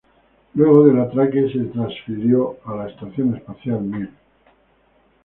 Luego del atraque, se transfirió a la Estación Espacial "Mir".